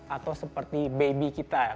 atau seperti baby kita